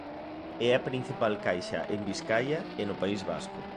É a principal caixa en Biscaia e no País Vasco.